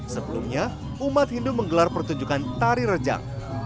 sebelumnya umat hindu menggelar pertunjukan tari rejang